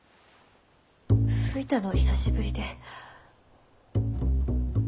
吹いたの久しぶりで。